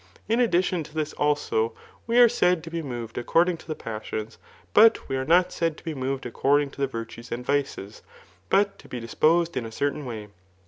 In addition to this also, we are said to be moved according ta the passbns, but we are not said to be moved according to the virtues and vices, but to be disposed in a certain way.